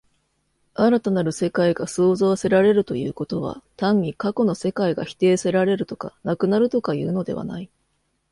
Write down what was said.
新たなる世界が創造せられるということは、単に過去の世界が否定せられるとか、なくなるとかいうのではない。